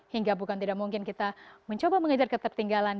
hingga bukan tidak mungkin kita mencoba mengejar ketertinggalan